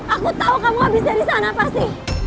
aku tau kamu abis dari sana pasti